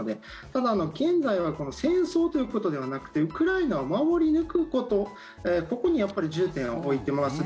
ただ、現在は戦争ということではなくてウクライナを守り抜くことここに重点を置いてます。